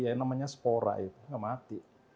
yang namanya spora itu gak mati